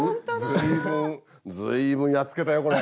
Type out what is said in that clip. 随分随分やっつけたよこれ。